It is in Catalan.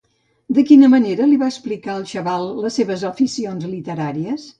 De quina manera li va explicar el xaval les seves aficions literàries?